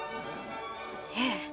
ええ。